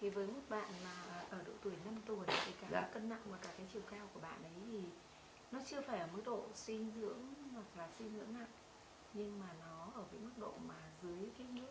với một bạn ở độ tuổi năm tuổi cân nặng và chiều cao của bạn